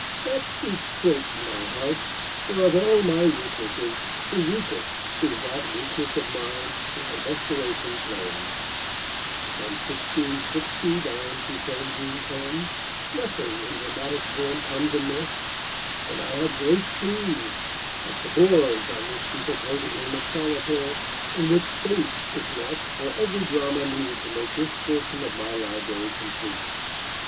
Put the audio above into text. That speaks straight to my heart; for of all my weaknesses the weakest is that weakness of mine for Restoration plays. From 1660 down to 1710 nothing in dramatic form comes amiss, and I have great schemes, like the boards on which people play the game of solitaire, in which space is left for every drama needed to make this portion of my library complete.